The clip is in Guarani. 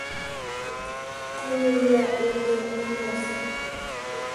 Kururu ra'ýnte oñembyasy